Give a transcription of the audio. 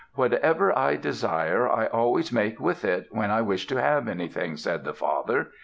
Whatever I desire I always make with it, when I wish to have anything," said the father.